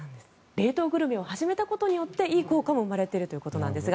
冷凍グルメを始めたことによっていい効果も生まれているということですが。